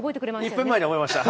１分前に覚えました。